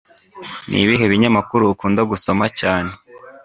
Nibihe binyamakuru ukunda gusoma cyane